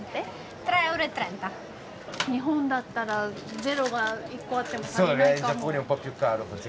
日本だったら「０」が１個あっても足りないかも。